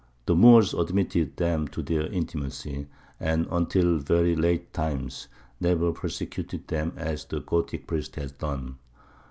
The Moors admitted them to their intimacy, and, until very late times, never persecuted them as the Gothic priests had done.